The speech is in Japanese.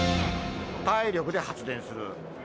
体力で発電する。